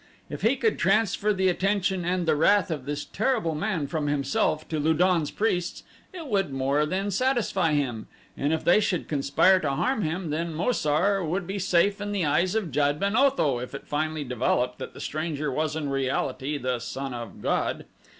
If he could transfer the attention and the wrath of this terrible man from himself to Lu don's priests it would more than satisfy him and if they should conspire to harm him, then Mo sar would be safe in the eyes of Jad ben Otho if it finally developed that the stranger was in reality the son of god.